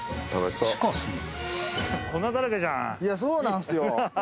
しかしいやそうなんすよ。